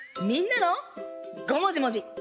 みんなもごもじもじ。